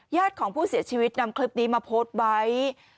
ญาติของผู้เสียชีวิตนำคลิปนี้มาโพสต์ไว้